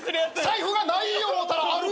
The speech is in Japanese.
財布がない思うたらある。